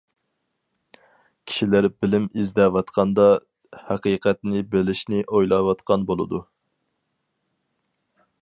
كىشىلەر بىلىم ئىزدەۋاتقاندا ھەقىقەتنى بىلىشنى ئويلاۋاتقان بولىدۇ.